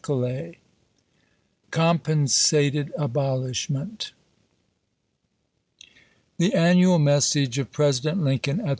CHAPTER XII COMPENSATED ABOLISHMENT THE annual message of President Lincoln at chap.